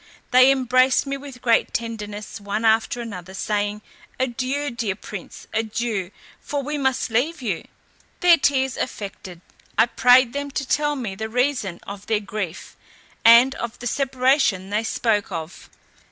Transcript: They embraced me with great tenderness one after another, saying, "Adieu, dear prince, adieu! for we must leave you." Their tears affected. I prayed them to tell me the reason of their grief, and of the separation they spoke of.